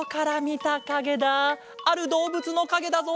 あるどうぶつのかげだぞ。